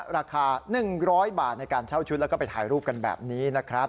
ราคา๑๐๐บาทในการเช่าชุดแล้วก็ไปถ่ายรูปกันแบบนี้นะครับ